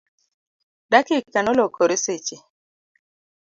dakika nolokore seche